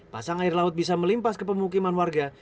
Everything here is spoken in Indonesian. pasang air laut bisa melimpas ke pemukiman warga